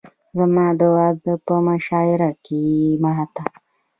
زما د واده په مشاعره کښې يې ما ته